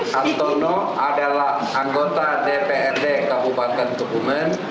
hantono adalah anggota dprd kabupaten kebumen